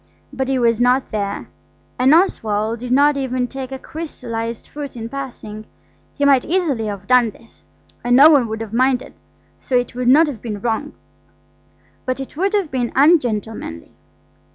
But he was not there, and Oswald did not even take a crystallised fruit in passing. He might easily have done this, and no one would have minded, so it would not have been wrong. But it would have been ungentlemanly.